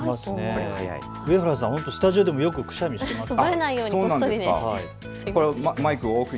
上原さん、スタジオでもよくくしゃみしていますね。